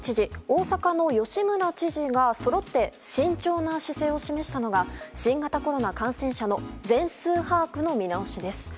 大阪の吉村知事がそろって慎重な姿勢を示したのが新型コロナ感染者の全数把握の見直しです。